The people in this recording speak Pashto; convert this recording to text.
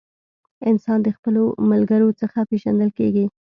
انسان د خپلو ملګرو څخه پیژندل کیږي.